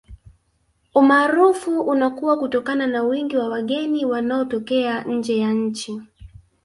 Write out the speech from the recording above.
Umaarufu unakuwa kutokana na wingi wa wageni wanaotokea nje ya nchi